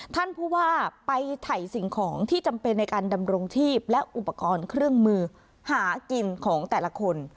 ท่านผู้ว่าไปถ่ายสิ่งของที่จำเป็นในการดำรงชีพและอุปกรณ์เครื่องมือหากินของแต่ละคน